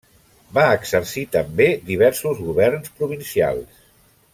Va exercir també diversos governs provincials.